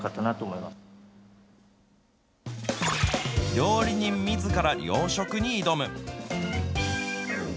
料理人みずから養殖に挑む。